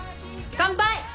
乾杯！